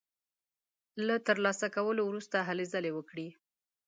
له تر لاسه کولو وروسته هلې ځلې وکړي.